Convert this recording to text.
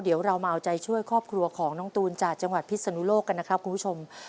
เดี๋ยวเรามาเอาใจช่วยครอบครัวของน้องตูนจากจังหวัดพิศนุโลกกันนะครับคุณผู้ชม